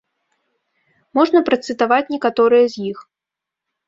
Можна працытаваць некаторыя з іх.